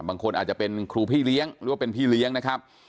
บางคนอาจจะเป็นครูพี่เลี้ยงหรือว่าเป็นพี่เลี้ยงนะครับ